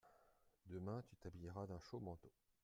Demain tu t’habilleras d’un chaud manteau.